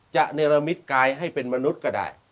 จะเนิ่นลามิทย์กายให้เป็นมนุษย์ก็ได้